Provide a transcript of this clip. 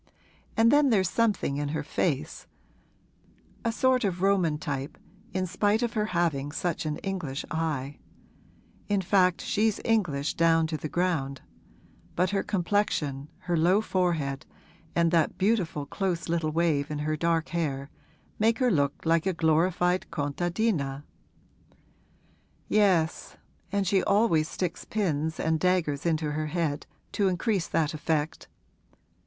'And then there's something in her face a sort of Roman type, in spite of her having such an English eye. In fact she's English down to the ground; but her complexion, her low forehead and that beautiful close little wave in her dark hair make her look like a glorified contadina.' 'Yes, and she always sticks pins and daggers into her head, to increase that effect.